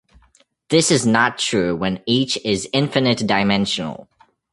This is not true when "H" is infinite-dimensional.